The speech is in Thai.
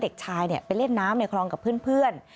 เด็กชายไปเล่นน้ำในคลองกับเพื่อน